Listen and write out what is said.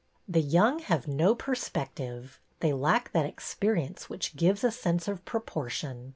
The young have no perspective; they lack that experience which gives a sense of proportion.